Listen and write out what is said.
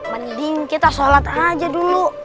mending kita sholat aja dulu